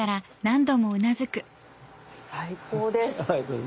最高です。